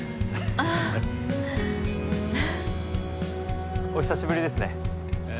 あぁ。お久しぶりですね。